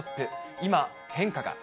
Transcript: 今、変化が。